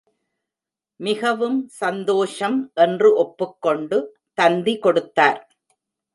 மிகவும் சந்தோஷம் என்று ஒப்புக்கொண்டு தந்தி கொடுத்தார்.